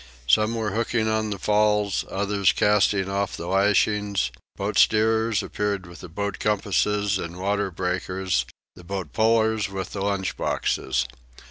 Some were hooking on the falls, others casting off the lashings; boat steerers appeared with boat compasses and water breakers, and boat pullers with the lunch boxes.